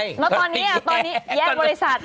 แล้วตอนนี้แยกบริษัท